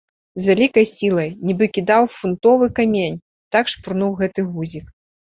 З вялікай сілай, нібы кідаў фунтовы камень, так шпурнуў гэты гузік.